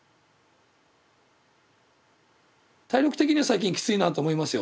体力的には最近きついなと思いますよ。